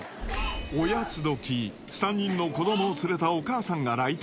おやつどき、３人の子どもを連れたお母さんが来店。